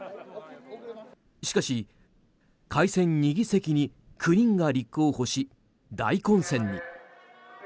しかし、改選２議席に９人が立候補し、大混戦に。